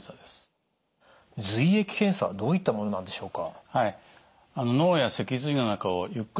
髄液検査どういったものなんでしょうか？